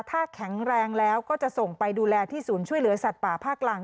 ถ้าแข็งแรงแล้วก็จะส่งไปดูแลที่ศูนย์ช่วยเหลือสัตว์ป่าภาคกลาง